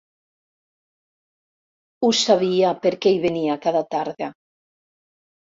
Ho sabia perquè hi venia cada tarda.